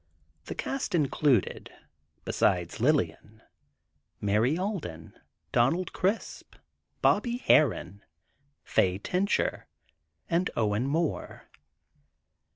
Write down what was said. The cast included, besides Lillian, Mary Alden, Donald Crisp, Bobby Harron, Fay Tincher, and Owen Moore.